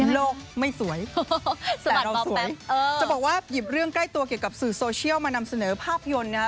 โลกไม่สวยแต่เราสวยจะบอกว่าหยิบเรื่องใกล้ตัวเกี่ยวกับสื่อโซเชียลมานำเสนอภาพยนตร์นะฮะ